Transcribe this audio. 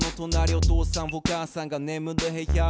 「お父さんお母さんがねむる部屋」